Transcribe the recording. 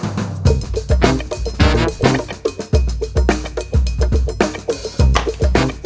ชานมไข่มุก